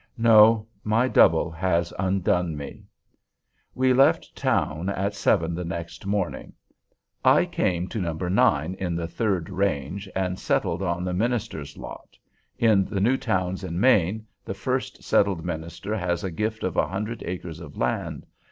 No! My double has undone me. We left town at seven the next morning. I came to No. 9, in the Third Range, and settled on the Minister's Lot, In the new towns in Maine, the first settled minister has a gift of a hundred acres of land.